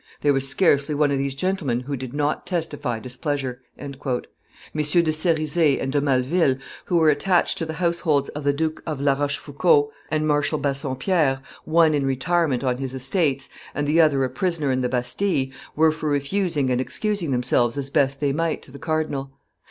"There was scarcely one of these gentlemen who did not testify displeasure: MM. de Serizay and de Maleville, who were attached to the households of the Duke of La Rochefoucauld and Marshal Bassompierre, one in retirement on his estates and the other a prisoner in the Bastille, were for refusing and excusing themselves as best they might to the cardinal.